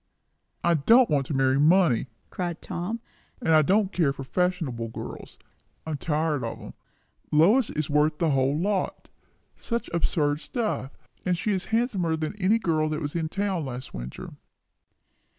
"I don't want to marry money!" cried Tom; "and I don't care for fashionable girls. I'm tired of 'em. Lois is worth the whole lot. Such absurd stuff! And she is handsomer than any girl that was in town last winter."